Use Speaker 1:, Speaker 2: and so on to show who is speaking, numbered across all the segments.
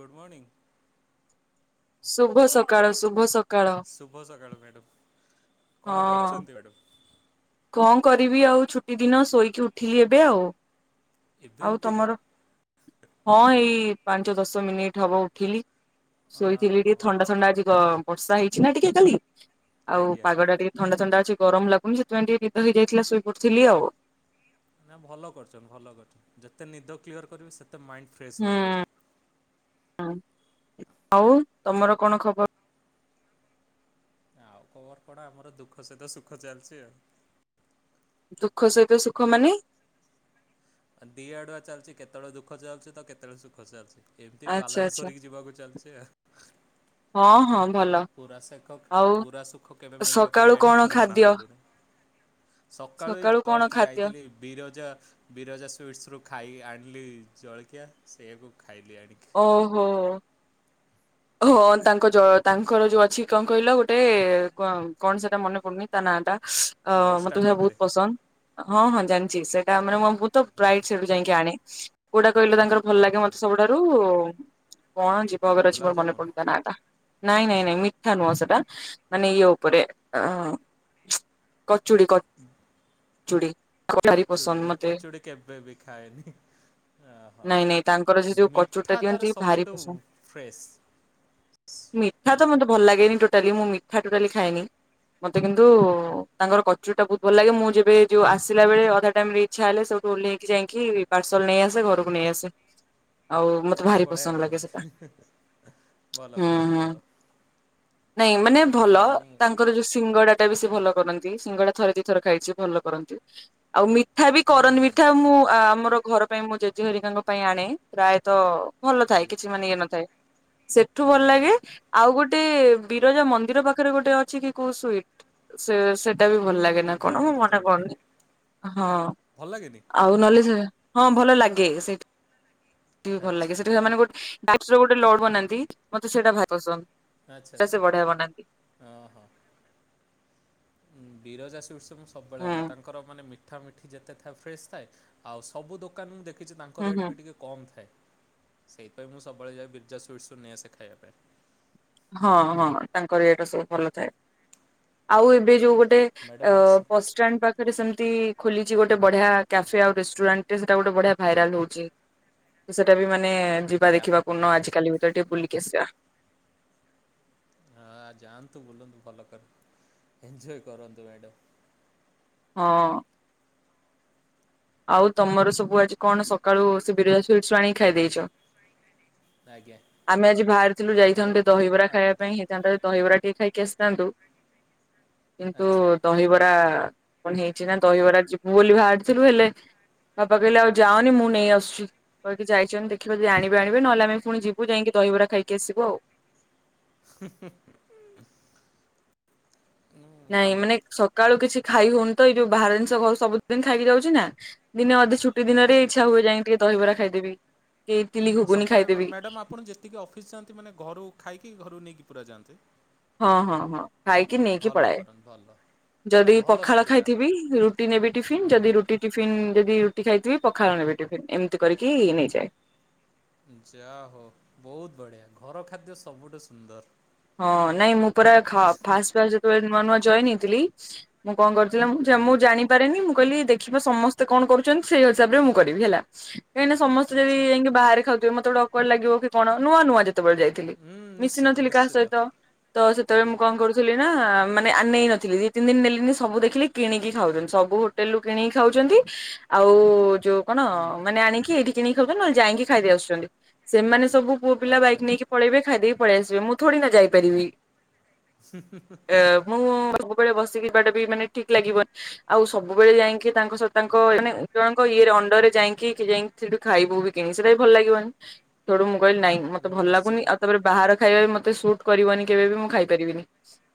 Speaker 1: Good morning
Speaker 2: ଶୁଭ ସକାଳ ଶୁଭ ସକାଳ।
Speaker 1: ଶୁଭ ସକାଳ ମ୍ୟାଡ଼ମ କଣ
Speaker 2: ହଁ
Speaker 1: କରୁଛନ୍ତି ମ୍ୟାଡ଼ାମ?
Speaker 2: କଣ କରିବି ଆଉ ଛୁଟି ଦିନ ଶୋଇକି ଉଠିଲି ଏବେ, ଆଉ
Speaker 1: ଏବେ
Speaker 2: ଆଉ
Speaker 1: ଉଠିଲେ
Speaker 2: ତମର? ହଁ ଏଇ ପାଞ୍ଚ ଦଶ ମିନିଟ୍ ହବ ଉଠିଲି ଶୋଇଥିଲି ଟିକେ
Speaker 1: ଓହୋ
Speaker 2: ଥଣ୍ଡା ଥଣ୍ଡା ଆଜି ବର୍ଷା ହେଇଛି ନା ଟିକେ କାଲି ଆଉ
Speaker 1: ଆଜ୍ଞା
Speaker 2: ପାଗ ଟା ଟିକେ ଥଣ୍ଡା ଥଣ୍ଡା ଅଛି ଗରମ ଲାଗୁନି ସେଥିପାଇ ଟିକେ ନିଦ ହେଇଯାଇଥିଲା ଶୋଇ ପଡ଼ିଥିଲି ଆଉ।
Speaker 1: ନା ଭଲ କରୁଛନ୍ ଭଲ କରୁଛ ଯେତେ ନିଦ କ୍ଲିୟର କରିବ ସେତେ ମାଇଣ୍ଡ ଫ୍ରେଶ୍ ରହିବ
Speaker 2: ହୁଁ ଆଉ ତମର କଣ ଖବର?
Speaker 1: ଆଉ ଖବର କଣ ଆମର ଦୁଃଖ ସହିତ ସୁଖ ଚାଲିଛି ଆଉ।
Speaker 2: ଦୁଃଖ ସହିତ ସୁଖ ମାନେ
Speaker 1: ଦିଆଡ଼ୁଆ ଚାଲିଛି କେତେବେଳେ ଦୁଃଖ ଚାଲୁଛି ତ କେତେବେଳେ ସୁଖ ଚାଲୁଛି। ଏମିତି
Speaker 2: ଆଚ୍ଛା
Speaker 1: ବାଲାନ୍ସ
Speaker 2: ଆଚ୍ଛା
Speaker 1: କରିକି ଯିବାକୁ ଚାଲିଛି।
Speaker 2: ହଁ ହଁ ଭଲ।
Speaker 1: ପୁରା ସେଖ
Speaker 2: ଆଉ
Speaker 1: ପୁରା ସୁଖ କେବେ ମିଳିବ
Speaker 2: ସକାଳୁ
Speaker 1: କେଜାଣି
Speaker 2: କଣ ଖାଦ୍ୟ
Speaker 1: ଜଣାପଡ଼ୁନି। ସକାଳୁ
Speaker 2: କଣ
Speaker 1: ଜଷ୍ଟ
Speaker 2: ଖାଦ୍ୟ
Speaker 1: ଯାଇଥିଲି ବିରଜା ବିରଜା ସୁଇଟ୍ସରୁୁ ଖାଇ ଆଣିଲି ଜଳଖିଆ ସେଇଆକୁ ଖାଇଲି ଆଣିକି।
Speaker 2: ଓହୋ ହଁ ତାଙ୍କ ତାଙ୍କର ଯୋଉ ଅଛି କଣ କହିଲ ଗୋଟେ କଣ ସେଟା ମନେ ପଡୁନି ତା ନାଁ ଟା ହଁ ମୋତେ ବି
Speaker 1: ବସଷ୍ଟାଣ୍ଡ
Speaker 2: ସେଇଟା
Speaker 1: ପାଖରେ
Speaker 2: ବହୁତ ପସନ୍ଦ। ହଁ ହଁ ଜାଣିଛି ସେଟା ମାନେ ମୁଁ ବହୁତ ପ୍ରାୟ ସେଠୁ ଯାଇକି ଆଣେ। କୋଉଟା କହିଲ ତାଙ୍କର ଭଲ ଲାଗେ ମତେ ସବୁଠାରୁ, କଣ ଯିବ ମୋର ମନେ
Speaker 1: ଗୋଲାପଜାମୁନ
Speaker 2: ପଡୁନି ତା ନାଁ ଟା। ନାଇଁ ନାଇଁ ନାଇଁ ମିଠା ନୁହଁ ସେଟା। ମାନେ ଇଏ ଉପରେ ଅ କଚୁଡି କ
Speaker 1: ହୁଁ କଚୁଡି,
Speaker 2: ପସନ୍ଦ
Speaker 1: ମୁଁ
Speaker 2: ମତେ
Speaker 1: କଚୁଡି କେବେ ବି ଖାଏନି। ଓହୋ
Speaker 2: ନାଇଁ ନାଇଁ ତାଙ୍କର ସେ ଯୋଉ କଚୁଡି ଟା
Speaker 1: ମିଠା
Speaker 2: ଦିଅନ୍ତି
Speaker 1: ତାର
Speaker 2: ଭାରି
Speaker 1: ସବୁଠୁ
Speaker 2: ପସନ୍ଦ।
Speaker 1: ଫ୍ରେଶ୍।
Speaker 2: ମିଠା ତ ମୋତେ ଭଲ ଲାଗେନି। ଟୋଟାଲି ମୁଁ ମିଠା ଟୋଟାଲି ଖାଏନି। ମତେ କିନ୍ତୁ ତାଙ୍କର କଚୁଡିଟା ବହୁତ ଭଲ ଲାଗେ। ମୁଁ ଯେବେ ଯୋଉ ଆସିଲା ବେଳେ ଅଧା ଟାଇମରେ ଇଚ୍ଛା ହେଲେ ସେଉଠୁ ଓହ୍ଲେଇକି ଯାଇକି ପାର୍ସଲ ନେଇ ଆସେ, ଘରକୁ ନେଇ ଆସେ। ଆଉ ମତେ ଭାରି
Speaker 1: ବଢ଼ିଆ
Speaker 2: ପସନ୍ଦ ଲାଗେ ସେଟା
Speaker 1: କରନ୍ତି। ଭଲ
Speaker 2: ହୁଁ
Speaker 1: କରନ୍ତୁ
Speaker 2: ହୁଁ
Speaker 1: ଭଲ।
Speaker 2: ନାଇଁ ମାନେ ଭଲ
Speaker 1: ହୁଁ
Speaker 2: ତାଙ୍କର ଯୋଉ ସିଙ୍ଗଡାଟା ବି ସେ ଭଲ କରନ୍ତି। ସିଙ୍ଗଡା ଥରେ ଦି ଥର ଖାଇଛି ଭଲ କରନ୍ତି। ଆଉ ମି ମିଠା ବି
Speaker 1: ହୁଁ
Speaker 2: କରନି।
Speaker 1: ହୁଁ
Speaker 2: ମିଠା
Speaker 1: ହୁଁ
Speaker 2: ମୁଁ ଆମର ଘର ପାଇଁ ମୁଁ ଜେଜେ ହେରିକାଙ୍କ ପାଇଁ ଆଣେ। ପ୍ରାୟତଃ ଭଲ ଥାଏ
Speaker 1: ଆଜ୍ଞା।
Speaker 2: କିଛି ମାନେ ଇଏ ନଥାଏ। ସେଠୁ ଭଲ
Speaker 1: ନାଇଁ
Speaker 2: ଲାଗେ,
Speaker 1: ନାଇଁ
Speaker 2: ଆଉ ଗୋଟେ
Speaker 1: ହଁ
Speaker 2: ବିରଜା ମନ୍ଦିର ପାଖରେ ଗୋଟେ ଅଛି କି କୋଉ ସ୍ବୁଇଟ୍। ସେ ସେ ଏଟା ବି ଭଲ
Speaker 1: ହୁଁ
Speaker 2: ଲାଗେ
Speaker 1: ହୁଁ
Speaker 2: ନା କଣ? ମୋ
Speaker 1: ଜାଣିଲି
Speaker 2: ମନେ
Speaker 1: ଜାଣିଲି
Speaker 2: ପଡୁନି।
Speaker 1: ଭଲ ଲାଗେନି?
Speaker 2: ହଁ ଆଉ ନ ହଲେ ହଁ ଭଲ ଲାଗେ। ସେଇଠି ବି ଭଲ ଲାଗେ।
Speaker 1: ଆଚ୍ଛା
Speaker 2: ସେଇଟା ସେମାନେ ବହୁତ୍ ସେ ଗୋଟେ ଲୋଡ୍ ବନାନ୍ତି ମତେ ସେଇଟା ଭାରି ପସନ୍ଦ।
Speaker 1: ଆଚ୍ଛା
Speaker 2: ସେଟା ସେ ବଢିଆ ବନାନ୍ତି
Speaker 1: ଆଚ୍ଛା। ହଁ ହଁ। ବିରଜା ସୁଇଟ୍ସ୍ ରୁ ମୁଁ ସବୁବେଳେ
Speaker 2: ହୁଁ
Speaker 1: ଆଣେ। ତାଙ୍କର ମାନେ ମି ମିଠା ମିଠି ଯେତେ ଥାଏ ଫ୍ରେଶ୍ ଥାଏ। ଆଉ ସବୁ ଦୋକାନ ମୁଁ ଦେଖିଛି ତାଙ୍କ
Speaker 2: ହୁଁ
Speaker 1: ରେଟ୍
Speaker 2: ହୁଁ।
Speaker 1: ବି ଟିକେ କମ୍ ଥାଏ। ସେଇଥିପାଇଁ ମୁଁ ସବୁବେଳେ ଯାଏ ବିରଜା ସୁଇଟ୍ସ୍ ରୁ ନେଇ ଆସେ ଖାଇବା ପାଇଁ।
Speaker 2: ହଁ ହଁ ତାଙ୍କର ଇଟା ସବୁ ଭଲ ଥାଏ। ଆଉ ଏବେ ଯୋଉ ଗୋ
Speaker 1: ମ୍ୟାଡ଼ମ୍ ଆଉ ସ
Speaker 2: [unintelligible] ବସ୍ ଷ୍ଟାଣ୍ଡ ପାଖରେ ସେମତି ଖୋଲିଛି ଗୋଟେ ବଢିଆ କ୍ୟାଫେ, ଆଉ ରେଷ୍ଟୁରାଣ୍ଟ୍ ଟେ ସେଟା ଗୋଟେ ବଢିଆ ଭାଇରାଲ ହଉଛି। ସେଟା ବି ମାନେ ଯିବା
Speaker 1: କ୍ୟାଫ୍
Speaker 2: ଦେଖିବାକୁ। ନ ଆଜିକାଲି ଭିତରେ ଟିକେ ବୁଲିକି ଆସିବା।
Speaker 1: ହଁ ଯାଆନ୍ତୁ, ବୁଲନ୍ତୁ, ଭଲକରି ଏଞ୍ଜୟ କରନ୍ତୁ ମ୍ୟାଡ଼ମ୍।
Speaker 2: ହଁ। ଆଉ ତମର ସବୁ ଆଜି କଣ ସକାଳୁ ସେ ବିରିଜା ସୁଇଟ୍ସରୁ ଆଣିକି ଖାଇଦେଇଚ।
Speaker 1: ନାଇଁ।
Speaker 2: ଆମେ ଆଜି ବାହାରିଥିଲୁ, ଯାଇଥାନ୍ତୁ ଦହିବରା ଖାଇବା ପାଇଁ।
Speaker 1: ଆଠଟାରେ
Speaker 2: ହେଇଥାନ୍ତା ଯଦି ଦହିବରା ଟିକେ ଖାଇକି ଆସିଥାନ୍ତୁ।
Speaker 1: [inaudible]
Speaker 2: କିନ୍ତୁ
Speaker 1: ଆଚ୍ଛା
Speaker 2: ଦହିବରା କଣ ହେଇଛି ନା ଦହିବରା ଯିବୁ ବୋଲି ବାହାରିଥିଲୁ। ହେଲେ ବାପା କହିଲେ ଆଉ ଯାଅନି। ମୁଁ ନେଇ ଆସୁଚି। କହିକି ଯାଇଛନ୍ତି ଦେଖିବା ଯଦି ଆଣିବେ ଆଣିବେ ନ ହେଲେ ଆମେ ପୁଣି ଯିବୁ। ଯାଇକି ଦହିବରା ଖାଇକି ଆସିବୁ ଆଉ।
Speaker 1: ହୁଁ ହୁଁ ହୁଁ।
Speaker 2: ନାଇଁ
Speaker 1: ଭଲ
Speaker 2: ମାନେ ସକାଳୁ କିଛି ଖାଇ ହଉନି ତ। ଏଇ ଯୋଉ ବାହାର ଜିନିଷ ଘରୁ ସବୁଦିନ ଖାଇକି ଯାଉଛି ନା। ଦିନେ ଅଧେ ଛୁଟି ଦିନରେ
Speaker 1: ଆଚ୍ଛା ଆଚ୍ଛା
Speaker 2: ଇଚ୍ଛା ହୁଏ ଯାଇକି ଟିକେ ଦହିବରା ଖାଇଦେବି କି ଇଟିଲି ଘୁଗୁନି ଖାଇଦେବି।
Speaker 1: ଟିକେ ଅଫିସ୍ ଯାଆନ୍ତି ମାନେ ଘରୁ ଖାଇକି ଘରୁ ନେଇକି ପୁରା ଯାଆନ୍ତି।
Speaker 2: ହଁ ହଁ ହଁ
Speaker 1: ହଁ
Speaker 2: ଖାଇକି, ନେଇକି
Speaker 1: ଭଲ
Speaker 2: ପଳାଏ।
Speaker 1: କରନ୍ତୁ ଭଲ।
Speaker 2: ଯଦି
Speaker 1: ଭଲ
Speaker 2: ପଖାଳ
Speaker 1: ସେଇଟା
Speaker 2: ଖାଇଥିବି ରୁଟି ନେବି ଟିଫିନ୍। ଯଦି
Speaker 1: ହୁଁ
Speaker 2: ରୁଟି ଟିଫିନ୍, ଯଦି ରୁଟି ଖାଇଥିବି ପଖାଳ ନେବି ଟିଫିନ୍ ଏମିତି କରିକି ନେଇଯାଏ।
Speaker 1: ଯାହା ହଉ ବହୁତ ବଢିଆ ଘର ଖାଦ୍ୟ ସବୁଠୁ ସୁନ୍ଦର।
Speaker 2: ହଁ, ନାଇଁ ମୁଁ ପୁରା ଫାଷ୍ଟ ଫାଷ୍ଟ ଯେତେବେଳେ ନୂଆ ନୂଆ ଜଏନ୍ ହେଇଥିଲି ମୁଁ କଣ କରିଥିଲିନା ମୁଁ ମୁଁ
Speaker 1: ଆଜ୍ଞା
Speaker 2: ଜାଣିନି ମୁଁ କରେ ନି ମୁଁ କହିଲି ଦେଖିବା ସମସ୍ତେ କଣ କରୁଛନ୍ତି ସେଇ ହିସାବରେ ମୁଁ କରିବି ହେଲା। କାଇଁକି ନା ସମସ୍ତେ ଯଦି
Speaker 1: ଆଚ୍ଛା
Speaker 2: ଯାଇକି ବାହରେ ଖାଉଥିବେ ମତେ ଗୋଟେ ଅକ୍ୱାଡ ଲାଗିବ କି କଣ ନୂଆ ନୂଆ ଯେତେବେଳେ ଯାଇ ଥିଲି,
Speaker 1: ହୁଁ
Speaker 2: ମିଶି
Speaker 1: ନିଶ୍ଚିତ
Speaker 2: ନଥିଲି କାହା
Speaker 1: ନିଶ୍ଚିତ
Speaker 2: ସହିତ ତ ସେତେବେଳେ
Speaker 1: ଆଜ୍ଞା
Speaker 2: ମୁଁ କଣ କରୁଛି ଥିଲି ନା, ମାନେ ନେଇ ନଥିଲି ଦି ତିନି ଦିନ ନେଲିି ସବୁ ଦେଖିଲି କିଣିକି ଖାଉଛନ୍ତି ସବୁ ହୋଟେଲରୁ କିଣିକି ଖାଉଛନ୍ତି ଆଉ ଯୋଉ କଣ
Speaker 1: ହୁଁ
Speaker 2: ମାନେ ଆଣିକି ଏଇଠି କିନିକି ଖାଉଛନ୍ତି ନହଲେ ଯାଇକି ଖାଇଦେଇ ଆସୁଛନ୍ତି ସେମାନେ ସବୁ ପୁଅ ପିଲା
Speaker 1: ଆଚ୍ଛା
Speaker 2: ବାଇକ ନେଇକି ପଳେଇବେ ଖାଇଦେଇକି ପଳେଇ ଆସିବେ, ମୁଁ ଥୋଡ଼ିନା ଯାଇପାରିବି ମୁଁ ସବୁବେଳେ ବସିକି ଯିବାଟା ବି ମାନେ ଠିକ ଲାଗିବନି ଆଉ ସବୁବେଳେ ଯାଇକି ତାଙ୍କ ସହ ତାଙ୍କ
Speaker 1: ଆଚ୍ଛା
Speaker 2: ମାନେ ଜଣଙ୍କର ଇଏରେ ଅଣ୍ଡରେ ଯାଇକି ଯାଇ ସେଠୁ ଖାଇବୁ ବି କିଣି ସେଇଟା ବି ଭଲ ଲାଗିବନି ସେଠୁ ମୁଁ କାଇଲି ନାଇଁ ମତେ ଭଲ ଲାଗୁନି
Speaker 1: ନିଶ୍ଚିତ
Speaker 2: ଆଉ ତାପରେ ବାହାର ଖାଇବା ମତେ ସୁଟ୍ କରିବନି କେବେ ବି ମୁଁ ଖାଇପାରିବିନି,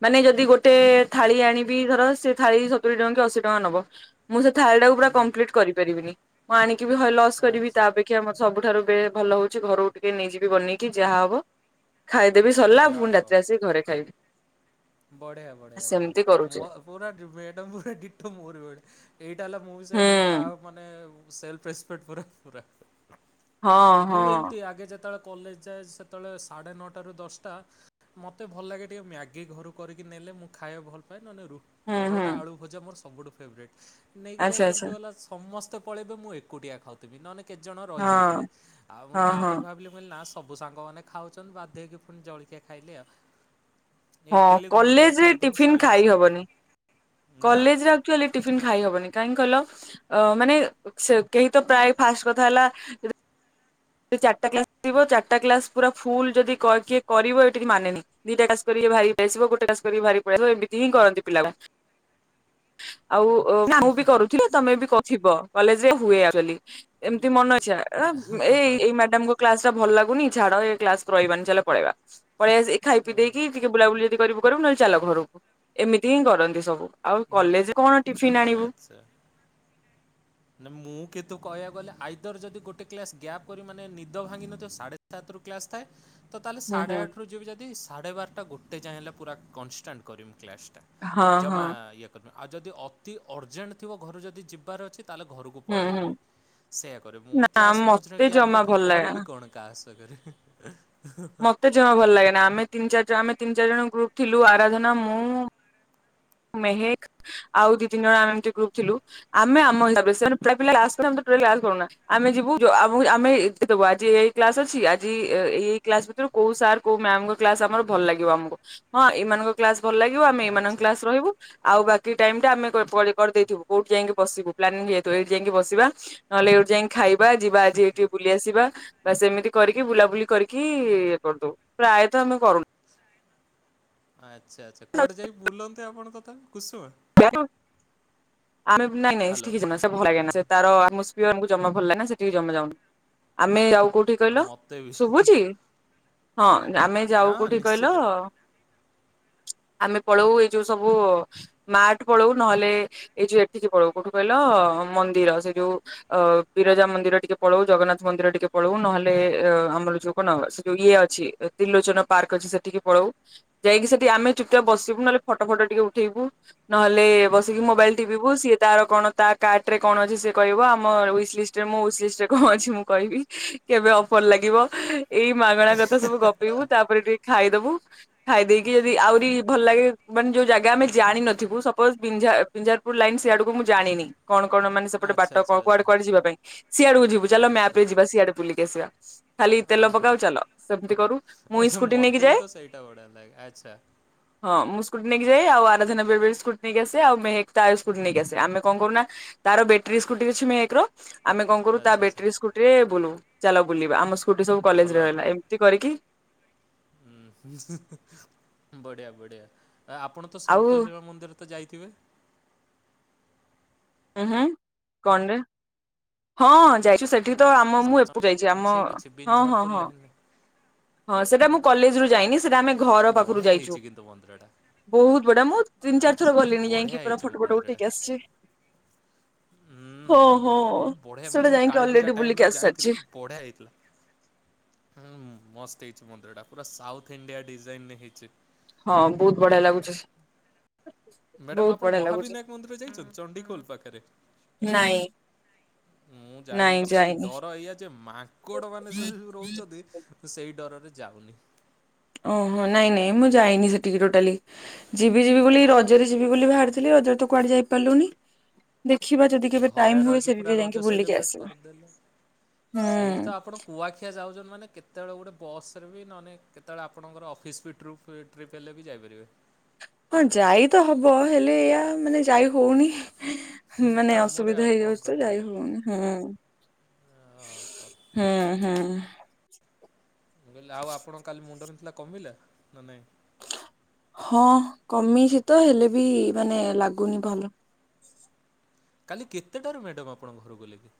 Speaker 2: ମାନେ ଯଦି ଗୋଟେ ଗୋଟେ ଥାଳି ଆଣିବି ଧର ସେ ଥାଳି ସତୁରି ଟଙ୍କା କି ଅଶୀ ଟଙ୍କା ନବ। ମୁଁ ସେ ଥାଳି ଟାକୁ ପୁରା
Speaker 1: ହୁଁ
Speaker 2: କମ୍ପ୍ଲିଟ୍ କରିପାରିବିନି ମୁଁ ଆଣିକି ଲସ୍ କରିବି ତା
Speaker 1: ଆଚ୍ଛା
Speaker 2: ଅପେକ୍ଷା ସବୁଠାରୁ ବେ ଭଲ ହଉଛି ଘରୁ ଟିକେ ନେଇଯିବି ବନେଇକି ଯାହା ହବ ଖାଇଦେବି ସରିଲା। ସେ ଘରେ ଖାଇବି।
Speaker 1: ବଢ଼ିଆ ବଢ଼ଆ ବଢିଆ,
Speaker 2: ସେମିତି କରୁଛି
Speaker 1: ପୁରା ମ୍ୟାଡ଼ାମ ପୁରା ଡିଟୋ ମୋରି ଭଳିଆ। ଏଇଟା ହେଲା ମୁଁ ବି ସେ
Speaker 2: ହୁଁ
Speaker 1: ମୁଁ କାହା ମାନେ ସେଲ୍ଫ ରେସ୍ପେକଟ୍ କରେ, ପୁରା
Speaker 2: ହଁ
Speaker 1: ମୁଁ
Speaker 2: ହଁ
Speaker 1: ଏମିତି ଆଗେ ଯେତେବେଳେ କଲେଜ ଯାଏ ସେତେବେଳେ ସାଢ଼େ ନଅଟାରୁ ଦଶଟା ମୋତେ ଭଲ ଲାଗେ ଟିକେ ମ୍ୟାଗି ଘରୁ କରିକି ନେଲେ ମୁଁ ଖଇବାକୁ ଭଲ ପାଏ, ନହେଲେ ନାଇଁ ରୁ
Speaker 2: ହୁଁ ହୁଁ
Speaker 1: ପରଟା ଆଳୁ ଭଜା ମୋର ସବୁଠୁ ଫେବରୋଇଟ୍ ନେଇକି ଯାଏ
Speaker 2: ଆଚ୍ଛା
Speaker 1: କିନ୍ତୁ
Speaker 2: ଆଚ୍ଛା
Speaker 1: ହେଲା ସମସ୍ତେ ପଳେଇବେ ମୁଁ ଏକୁଟିଆ ଖାଉଥିବି ନହେଲେ କେତେ ଜଣ ରହିଯାଇଥିବେ
Speaker 2: ହଁ
Speaker 1: ଆଉ ମୁଁ
Speaker 2: ହଁ ହଁ
Speaker 1: ତାପରେ ଭାବିଲି ମୁଁ କହିଲି ନା ସବୁ ସାଙ୍ଗ ମାନେେ ଖାଉଛନ୍ତି ବାଧ୍ୟ ହେଇକିପୁଣି ଜଳଖିଆ ଖାଇଲି ଆଉ।
Speaker 2: ହଁ
Speaker 1: ଇଟିଲି ଘୁଗୁନି ଟିକେ
Speaker 2: କଲେଜରେ
Speaker 1: ଖାଇଦେମି
Speaker 2: ଟିଫିନ
Speaker 1: ସଇଲା
Speaker 2: ଖାଇ
Speaker 1: ଶାନ୍ତି
Speaker 2: ହବନି-
Speaker 1: ନା
Speaker 2: କଲେଜ ଆକ୍ଚ୍ଯୁଆଲି ଟିଫନ୍ ଖାଇହବନି କାହିଁକି କହିଲ ଅ ମାନେ ସେ କେହି ତ ପ୍ରାୟ ଫାଷ୍ଟ କଥା ହେଲା ସେ ଚାରିଟା କ୍ଲାସ ଥିବ ଚାରିଟା କ୍ଲାସ ପୁରା ଫୁଲ ଯଦି କିଏ କରିବ ଏଇଠି ମାନେନାଇ। ଦିଟା କ୍ଲାସ କରି ଭାରିକିଆସିବ ଗୋଟେ କ୍ଲାସ କରିକି ଭାରି ପାଲେଇଆସିବ ଏମିତି ହିଁ କରନ୍ତି ପିଲାମାନେ। ଆଉ ମୁଁ ବି କରୁଥିଲି ତମେ ବି କରିଥିବ କଲେଜରେ ଯ ହୁଏ ଆକଚୁଆଲି। ଏମତି ମନେ ଇଛା ଏଇ ଏଇ ମ୍ୟାଡାମଙ୍କ କ୍ଲାସ ଟା ଭଲ ଲାଗୁନି ଛାଡ଼ ଏ କ୍ଲାସ ରହିବାନି ଚାଲେ ପଳେଇବା ପଳେଇ ଖାଇ ପିଇ
Speaker 1: ହୁଁ
Speaker 2: ଦେଇକି ବୁଲାବୁଲି ଯଦି କରିବୁ କରିବୁ ନହଲେ ଚାଲ ଘରକୁ ଏମିତି ହିଁ କରନ୍ତି ସବୁ। ଆଉ କଲେଜ କଣ ଟିଫିନ ଆଣିବୁ।
Speaker 1: ମାନେ ମୁଁ କିତୁ କହିବା ଗଲେ ଆଇଦର ଯଦି ଗୋଟେ କ୍ଲାସ ଗ୍ୟାପ୍ କରିବି ମାନେ ନିଦ ଭାଙ୍ଗି ନଥିବ ସାଢେ ସାତରୁ କ୍ଲାସ ଥାଏ। ତ ତାହେଲେ
Speaker 2: ହୁଁ
Speaker 1: ସାଢ଼େ
Speaker 2: ହୁଁ
Speaker 1: ଆଠରୁ ଯିବି ଯଦି ସାଢ଼େ ବାରଟା ଗୋଟେ ଯାଏଁ ହେଲେ ପୁରା କନଷ୍ଟାଣ୍ଟ କରିମି କ୍ଲାସ୍। ଟା
Speaker 2: ହଁ ହଁ
Speaker 1: ଜମା ଇଏ କରିବିନି ଆଉ ଯଦି ଅତି ଅର୍ଜେଣ୍ଟ ଥିବ ଘରୁ ଯଦି ଯିବାର ଅଛି ତାହେଲେ ଘରକୁ
Speaker 2: ହୁଁ ହୁଁ
Speaker 1: ପଳେଇବି, ସେୟାକରେ ମୁଁ
Speaker 2: ନା
Speaker 1: କ୍ଲାସ୍ ମଝିରେ
Speaker 2: ମତେ
Speaker 1: ଗ୍ୟାପ୍
Speaker 2: ଜମା
Speaker 1: ରଖି
Speaker 2: ଭଲ
Speaker 1: କରିବି
Speaker 2: ଲାଗେନା।
Speaker 1: କଣ କାସ୍ ତ ଘରେ। [unintelligible]
Speaker 2: ମତେ ଜମା ଭଲ ଲାଗେ ନା ଆମେ ତିନି ଚାରି ଜଣ ଆମେ ତିନି ଚାରିଜଣ ଗ୍ରୁପ୍ ଥିଲୁ ଆରାଧନା ମୁଁ ମେହେକ ଆଉ ଦି ତିନି ଜଣ ଆମେ ଏମତି ଗ୍ରୁପ ଥିଲୁ ଆମେ ଆମ ହିସାବରେ [unintelligible] ଆମେ ଯିବୁ ଆମେ କ୍ଲାସ ଅଛି ଆଜି ଏ ଏଇ କ୍ଲାସ ଭିତରୁ କୋଉ ସାର୍ କୋଉ ମ୍ୟାମଙ୍କ କ୍ଲାସ ଆମର ଭଲ ଲାଗିବ ଆମକୁ, ହଁ ଏମାନଙ୍କ କ୍ଲାସ ଭଲ ଲାଗିବ, ଆମେ ଏମାନଙ୍କ
Speaker 1: ଆଚ୍ଛା
Speaker 2: କ୍ଲାସ ରହିବୁ, ଆଉ ବାକି ଟାଇମ ଟା ଆମେ [unintelligible] କଉଠି ଯାଇ ବସିବୁ। ପ୍ଲାନିଂ ହେଇଯାଇଥିବୁ, ଏଇଠି ଯାଇକି ବସିବା ନହେଲେ ଏଇଠି ଯାଇକି ଖାଇବା। ଯିବା ଆଜି ଏଇଠୁ ବୁଲି ଆସିବା ବା ସେମିତି କରିକି ବୁଲାବୁଲି କରିକି ଇଏ କରିଦବଉ। ପ୍ରାୟତଃ ଆମେ କରୁନୁ।
Speaker 1: ଆଚ୍ଛା ଆଚ୍ଛା, କୁଆଡେ ଯାଇକି ବୁଲନ୍ତି ଆପଣ ପ୍ରଥମେ, କୁସୁଆ?
Speaker 2: [unintelligible] [unintelligible] ଭଲ
Speaker 1: ହ୍ୟାଲୋ
Speaker 2: ଲାଗ
Speaker 1: ହଁ
Speaker 2: ନା ସେଠିକି ଜମା ଯାଉନୁ। ଆମେ ଆଉ କୋଉଠି କହିଲ?
Speaker 1: ମୋତେ ବି
Speaker 2: ଶୁଭୁଛି ହଁ,
Speaker 1: ଆଜ୍ଞା
Speaker 2: ଆମେ ଯାଉ
Speaker 1: ହଁ
Speaker 2: କୋଉଠି କହିଲ?
Speaker 1: ନିଶ୍ଚିତ
Speaker 2: ଆମେ ପଳଉ ଏଇ ଯୋଉ ସବୁ ମାର୍ଟ ପଳଉ ନହେଲେ ଏଇ ଯୋଉ ଏଠିକି ପଳଉ କୋଉଠୁ କହିଲ ମନ୍ଦିର ସେ ଯୋଉ ଅ ବିରଜା ମନ୍ଦିର ଟିକେ ପଳଉ, ଜଗନ୍ନାଥ ମନ୍ଦିର ଟିକେ ପଳଉ, ନହେଲେ ଅ ଆମର ଯୋଉ କଣ ସେ ଯୋଉ ଇଏ ଅଛି। ତ୍ରିଲୋଚନ ପାର୍କ ଅଛି ସେଠିକି ପଳଉ, ଯାଇକି ସେଠି ଆମେ ଚୁପ ଚାପ୍ ବସିବୁ, ନହେଲେ ଫଟୋ ଫଟ ଟିକେ ଉଠେଇବୁ। ନହେଲେ ବସିକି ମୋବାଇଲ
Speaker 1: ଆଚ୍ଛା
Speaker 2: ଟିପ୍ - ବୁ, ସିଏ ତାର କଣ ତା କାର୍ଟ ରେ କଣ ଅଛି? ସିଏ କହିବ ଆମ ହୁଇଚ ଲିଷ୍ଟରେ ହୁଇଚ୍ ଲିଷ୍ଟରେ କଣ ଅଛି? ମୁଁ କହିବି କେବେ ଅଫର୍ ଲାଗିବ? ଏଇ ମାଗଣା କଥା ସବୁ ଗପିବୁ ତାପରେ ଟିକେ ଖାଇଦବୁ। ଖାଇ ଦେଇକି ଯଦି ଆହୁରି ଭଲ ଲାଗେ ମାନେ ଯୋଉ ଜାଗା ଆମେ ଜାଣିିନଥିବୁ, ସପୋଜ ବିଂଝା ବିଁଝାରପୁର ଲାଇନ ସେଇଆଡକୁ ମୁଁ ଜାଣିନି। କଣ କଣ ମାନେ ସେପଟେ, ବାଟ,
Speaker 1: ଆଚ୍ଛା ଆଚ୍ଛା
Speaker 2: କୁଆଡେ
Speaker 1: ଆଚ୍ଛା
Speaker 2: କୁଆଡେ ଯିବା ପାଇଁ, ସିଆଡକୁ ଯିବୁ। ଚାଲ ମ୍ୟାପ
Speaker 1: ଆଚ୍ଛା
Speaker 2: ରେ ଯିବା ସିଆଡକୁ ବୁଲିକ ଆସିବା। ଖାଲି ତେଲ
Speaker 1: ଓହୋ
Speaker 2: ପକାଅ ଚାଲ, ସେମିତି କରୁ, ମୁଁଇ ସ୍କୁଟି ନେଇକି
Speaker 1: ମୋତେ ବି
Speaker 2: ଯାଏ।
Speaker 1: ତ ସେଇଟା ବଢ଼ିଆ ଲାଗେ ଆଚ୍ଛା
Speaker 2: ହଁ, ମୁଁ ସ୍କୁଟି ନେଇି ଯାଏ। ଆଉ ଆରାଧନା ବେଳେ- ସ୍କୁଟି ନେଇକି ଆସେ ଆଉେ ତାର ସ୍କୁଟି ନେଇକି ଆସେ। ଆମେ କଣ କରୁନା? ତାର ବ୍ୟାଟେରୀ ସ୍କୁଟିର ଅଛି ମେହେକ ର। ଆମେ କଣ କରୁ ତା
Speaker 1: ଆଚ୍ଛା ଆଚ୍ଛା
Speaker 2: ବ୍ୟାଟରୀ ସ୍କୁଟିରେ ବୁଲୁ ଚାଲା ବୁଲିବା। ଆମ ସ୍କୁଟି ସବୁ
Speaker 1: ଆଉ ଭଲ
Speaker 2: କଲେଜରେ
Speaker 1: ଅଛି।
Speaker 2: ରହିଲା। କରିକି
Speaker 1: ହୁଁ, [unintelligible] ବଢିଆ ବଢିଆ। ଆପଣ ତ
Speaker 2: ଆଉ
Speaker 1: ସନ୍ତୋଷୀ ମା ମନ୍ଦିର ଯାଇଥିବେ।
Speaker 2: ଉୁଁ ହୁଁ କଣରେ? ହଁ, ଯାଇଛୁ ସେଠି ଏଠି ତ ଆମ ମୁଁ ଏପକୁ ଯାଇଛି। ଆମ
Speaker 1: ସେଇଠି ଅଛି
Speaker 2: ହଁ, ହଁ,
Speaker 1: ବିଞ୍ଝାରପୁର
Speaker 2: ହଁ
Speaker 1: ଲାଇନରେ
Speaker 2: ହଁ, ସେଟା ମୁଁ କଲେଜ ରୁ ଯାଇନି, ସେଟା ଆମେ ଘର ପାଖରୁ
Speaker 1: ବଢ଼ିଆ ହେଇଛି
Speaker 2: ଯାଇଛୁ।
Speaker 1: କିନ୍ତୁ ମନ୍ଦିରଟା
Speaker 2: ବହୁତ ବଢିଆ ମୁଁ ତିନି ଚାର
Speaker 1: ଆଚ୍ଛା
Speaker 2: ଥର
Speaker 1: ଆଚ୍ଛା
Speaker 2: ଗଲିଣି
Speaker 1: ବଢ଼ିଆ
Speaker 2: ଯାଇକି ପୁରା
Speaker 1: ହେଇଛି
Speaker 2: ଫଟୋ ଫଟ
Speaker 1: ମନ୍ଦିରଟା
Speaker 2: ଉଠିକି ଆସିଛି।
Speaker 1: ହୁଁ,
Speaker 2: ହଁ ହଁ
Speaker 1: ହୁଁ, ମୁଁ ବଢିଆ ମାନେ
Speaker 2: ସେଟା
Speaker 1: ମୁଁ
Speaker 2: ଯାଇକି
Speaker 1: କାଳୀପୂଜା
Speaker 2: ଅଲରେଡି
Speaker 1: ଟାଇମ
Speaker 2: ବୁଲିକି
Speaker 1: ରେ
Speaker 2: ଆସି
Speaker 1: ଯାଇଥିଲି
Speaker 2: ସାରିଛି
Speaker 1: ବଢିଆ ହେଇଥିଲା। ହୁଁ, ମସ୍ତ ହେଇଛି ମନ୍ଦିର ଟା ପୁରା ସାଉଥ ଇଣ୍ଡିଆ ଡିଜାଇନରେ ହେଇଛି।
Speaker 2: ହଁ, ବହୁତ ବଢିଆ ଲାଗୁଛି।
Speaker 1: ମ୍ୟାଡାମ
Speaker 2: ବହୁତ
Speaker 1: ଆପଣ
Speaker 2: ବଢିଆ ଲାଗୁଛି
Speaker 1: ମହାବିନାୟକ ମନ୍ଦିର ଯାଇଛନ୍ତି ଚଣ୍ଡୀଖୋଲ ପାଖରେ।
Speaker 2: ନାଇଁ
Speaker 1: ମୁଁ ଯାଇନି ବା ସେଠିକେ ଡର ଏଇଆ ଯେ ମାଙ୍କଡ ମାନେ ସେଉ ରହୁଛନ୍ତି। ସେଇ ଡରରେ ଯାଉନି।
Speaker 2: ଓହୋ, ନାଇଁ, ନାଇଁ, ମୁଁ ଯାଇନି ସେଠିକି ଟୋଟାଲି। ଯିବି ଯିବି ବୋଲି ରଜରେ ଯିବି ବୋଲି ବାହାରିଥିଲି ରଜରେ, ତ କୁଆଡେ ଯାଇପାରିଲୁନି? ଦେଖିବା ଯଦି।
Speaker 1: ଏ
Speaker 2: କେବେ ଟାଇମ
Speaker 1: ଘରେ
Speaker 2: ହୁଏ
Speaker 1: ରହିକି
Speaker 2: ସେଠିକି
Speaker 1: ପୁରା
Speaker 2: ଯାଇକି
Speaker 1: ରଜ
Speaker 2: ବୁଲିକି
Speaker 1: ସେଲିବ୍ରେଟ୍
Speaker 2: ଆସିବା
Speaker 1: କରିଦେଲେ। ସେଇଠି
Speaker 2: ହୁଁ।
Speaker 1: ତ ଆପଣ କୁଆଖିଆ ଯାଉଛନ୍ତି ମାନେ, କେତେବେଳେ ଗୋଟେ ବସ୍ ରେ ବି, ନହେଲେ କେତେବେଳେ ଆପଣଙ୍କର ଅଫିସ୍ ବି ଟ୍ରୁପ୍, ଟ୍ରିପ୍ ହେଲେ ବି ଯାଇପାରିବେ।
Speaker 2: ହଁ, ଯାଇ ତ ହବ ହେଲେ ଏଇଆ ମାନେ ଯାଇ ହଉନି।
Speaker 1: ସେମିତି
Speaker 2: ମାନେ
Speaker 1: କାମରେ
Speaker 2: ଅସୁବିଧା
Speaker 1: ଆଉ କଣ
Speaker 2: ହେଇଯାଉଛି ତ ଯାଇ ହଉନି। ହୁଁ,
Speaker 1: ଓ ହୋ।
Speaker 2: ହୁଁ ହୁଁ।
Speaker 1: ମୁଁ କହିଲି ଆଉ ଆପଣଙ୍କ କାଲି ମୁଣ୍ଡ ବିନ୍ଧୁଥିଲା କମିଲା ନା ନାଇଁ?
Speaker 2: ହଁ କମିଛି ତ ହେଲେ ବି ମାନେ ଲାଗୁନି ଭଲ।
Speaker 1: କାଲି କେତେଟାରୁ ମ୍ୟାଡ଼ମ୍ ଆପଣଙ୍କ ଘରକୁ ଗଲେ କି?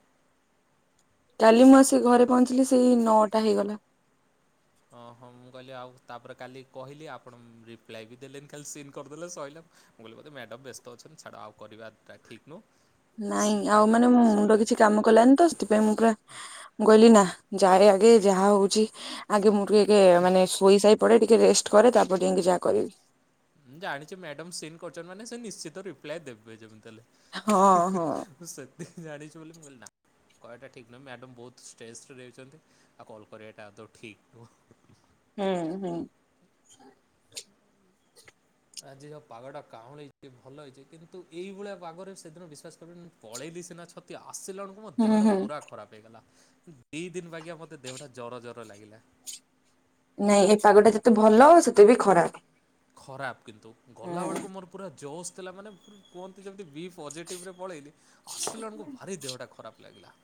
Speaker 2: କାଲି ମୁଁ ଆସି ଘରେ ପହଞ୍ଚିଲି ସେଇ ନଅଟା ହେଇଗଲା।
Speaker 1: ହଁ ହଁ ମୁଁ କହିଲି ଆଉ ତା ପରେ କାଲି କହିଲି ଆପଣ ରିପ୍ଲାଏ ବି ଦେଲେନି ଖାଲି ସିନ୍ କରିଦେଲେ ସଇଲା। ମୁଁ କହିଲି ବୋଧେ ମ୍ୟାଡ଼ମ୍ ବ୍ୟସ୍ତ ଅଛନ୍ତି ଛାଡ଼ ଆଉ କରିବାଟା ଠିକ୍ ନୁହଁ।
Speaker 2: ନାଇଁ
Speaker 1: ସେ
Speaker 2: ଆଉ
Speaker 1: ତାଙ୍କର
Speaker 2: ମାନେ [unintelligible] ମୋ ମୁଣ୍ଡ
Speaker 1: ସୁବିଧା
Speaker 2: କିଛି
Speaker 1: ଲାଗେ।
Speaker 2: କାମ କଲାନି ତ ସେଥିପାଇଁ ମୁଁ ପୁରା ମୁଁ କହିଲି ନା ଯାଏ ଆଗେ ଯାହା ହଉଛି ଆଗେ ମୁଁ ଟିକେ ମାନେ ଶୋଇ ସାଇ ପଡେ ଟିକେ ରେଷ୍ଟ୍ କରେ ତା ପରେ ଯାଇଁକି ଯାହା କରିବି।
Speaker 1: ମୁଁ ଜାଣିଛି ମ୍ୟାଡମ୍ ସିନ୍ କରଛନ୍ତି ମାନେ ସେ ନିଶ୍ଚିତ ରିପ୍ଲାଏ ଦେବେ ଯେମିତି ହେଲେ।
Speaker 2: ହଁ
Speaker 1: ହିଁ
Speaker 2: ହଁ।
Speaker 1: ହିଁ ସେତିକି ଜାଣିଛି ବୋଲି ମୁଁ କହିଲି ନାଁ କହିବାଟା ଠିକ୍ ନୁହେଁ। ମ୍ୟାଡ଼ମ୍ ବହୁତ ଷ୍ଟ୍ରେସରେ ଯାଇଛନ୍ତି, ଆଉ କଲ୍ କରିବାଟା ଆଦୌ ଠିକ୍ ନୁହଁ।
Speaker 2: ହୁଁ ହୁଁ।
Speaker 1: ଆଜି ର ପାଗଟା କାଁଉଳି [unintelligible] ଭଲ ହେଇଛି କିନ୍ତୁ ଏଇ ଭଳିଆ ପାଗରେ ସେଦିନ ବିଶ୍ଵାସ କରିବନି ପଳେଇଲି ସିନା ଛତିଆ ଆସିଲାଣୁ ମୋ
Speaker 2: ହୁଁ
Speaker 1: ଦେହଟା
Speaker 2: ହୁଁ
Speaker 1: ପୁରା ଖରାପ ହେଇଗଲା। ଦି ଦିନ୍ ବାଗିଆ ମତେ ଦେହଟା ଜର ଜର ଲାଗିଲା।
Speaker 2: ନାଇଁ ଏଇ ପାଗଟା ଯେତେ ଭଲ ସେତେ ବି ଖରାପ।
Speaker 1: ଖରାପ କିନ୍ତୁ
Speaker 2: ହୁଁ।
Speaker 1: ଗଲାବେଳକୁ ମୋର ପୁରା ଜୋସ୍ ଥିଲା ମାନେ ପୁରା କୁହନ୍ତି ଯେମିତି ବି ପଜେଟିବରେ ପଳେଇଲି ଆସିଲା ବେଳୁକୁ ଭାରି ଦେହଟା ଖରାପ ଲାଗିଲା।